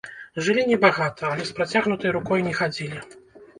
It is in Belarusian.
Жылі не багата, але з працягнутай рукой не хадзілі.